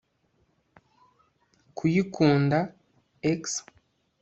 kuyikunda (x